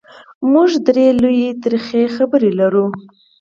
موږ درې لویې ترخې خبرې لرو: